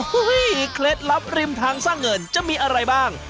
เคล็ดลับริมทางสร้างเงินจะมีอะไรบ้าง